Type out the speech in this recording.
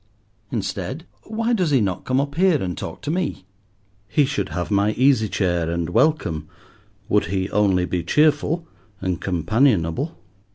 Instead, why does he not come up here and talk to me? He should have my easy chair and welcome, would he only be cheerful and companionable.